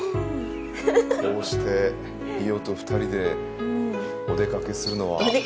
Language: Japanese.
こうして伊代と２人でお出かけするのは。